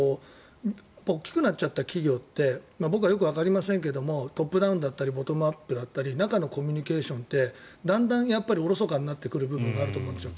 大きくなった企業って僕よくわかりませんがトップダウンだったりボトムアップだったり中のコミュニケーションってだんだんおろそかになってくる部分があると思うんですよ。